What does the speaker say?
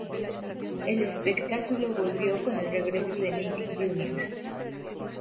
El espectáculo volvió con el regreso de Nick Jr.